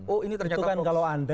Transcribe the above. oh ini ternyata